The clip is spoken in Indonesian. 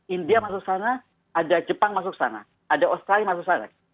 india masuk sana ada jepang masuk sana ada australia masuk sana